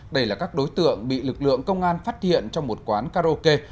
đây là các đối tượng bị lực lượng công an phát hiện trong một quán karaoke